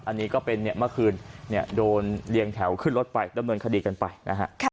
อันนี้ก็เป็นเมื่อคืนโดนเรียงแถวขึ้นรถไปดำเนินคดีกันไปนะฮะ